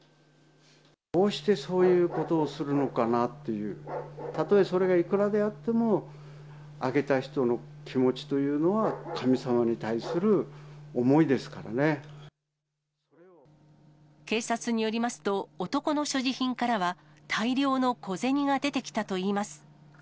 どうしてそういうことをするのかなっていう、たとえそれがいくらであっても、あげた人の気持ちというのは、警察によりますと、男の所持品からは、大量の小銭が出てきたといいます。